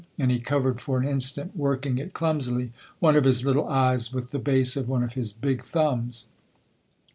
And he covered, for an instant, working it clumsily, one of his little eyes with the base of one of his big thumbs.